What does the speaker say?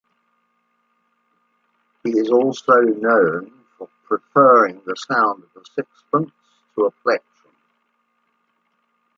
He is also known for preferring the sound of a sixpence to a plectrum.